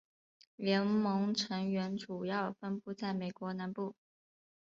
联盟成员主要分布在美国南部。